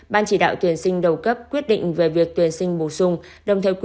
ban chỉ đạo tuyển sinh đầu cấp quyết định về việc tuyển sinh bổ sung